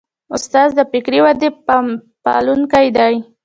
استاد د فکري ودې پالونکی دی.